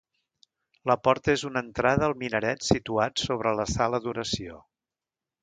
L'entrada és una porta al minaret situat sobre la sala d'oració.